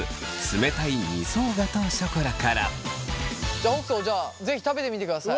じゃあ北斗じゃあ是非食べてみてください。